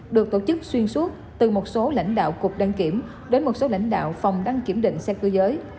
được tổ chức xuyên suốt từ một số lãnh đạo cục đăng kiểm đến một số lãnh đạo phòng đăng kiểm định xe cơ giới